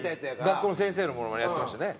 学校の先生のモノマネやってましたね。